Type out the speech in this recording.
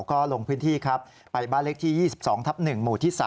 ก็ลงพื้นที่ครับไปบ้านเลขที่๒๒ทับ๑หมู่ที่๓